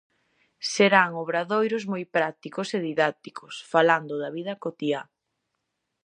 Serán obradoiros moi prácticos e didácticos, falando da vida cotiá.